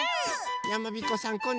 やまびこさん